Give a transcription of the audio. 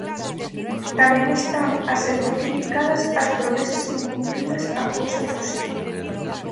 Tamén están a ser moi criticadas as promesas incumpridas após a fusión.